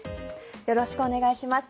よろしくお願いします。